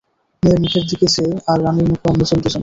মেয়ের মুখের দিকে চায়, আর রানীর মুখে অন্নজল রুচে না।